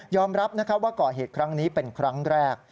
รับว่าก่อเหตุครั้งนี้เป็นครั้งแรก